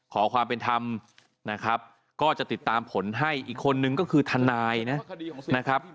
ขอความเป็นธรรมนะครับก็จะติดตามผลให้อีกคนนึงก็คือทนายนะครับ